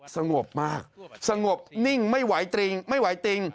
สงบมากสงบนิ่งไม่ไหวติงไม่ไหวติง